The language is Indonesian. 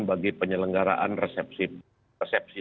bagi penyelenggaraan resepsi